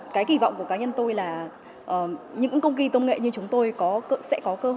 cái kỳ vọng của cá nhân tôi là những công nghi tông nghệ như chúng tôi sẽ có cơ hội qua cầu nối của các sở ban ngành